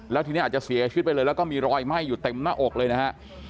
แล้วทีนี้อาจจะเสียชีวิตไปเลยแล้วก็มีรอยไหม้อยู่เต็มหน้าอกเลยนะฮะ